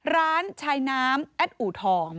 ร้านชายน้ำแอดอูทอง